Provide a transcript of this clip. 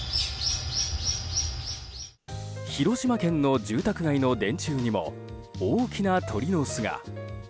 広島県の住宅街の電柱にも大きな鳥の巣が。